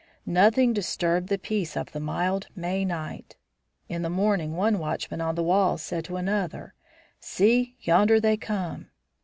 Nothing disturbed the peace of the mild May night. In the morning one watchman on the walls said to another, "See, yonder they come."